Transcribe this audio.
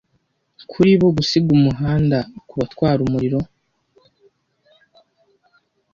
kuri bo gusiga umuhanda kubatwara umuriro